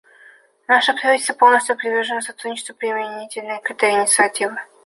Наше правительство полностью привержено сотрудничеству применительно к этой инициативе.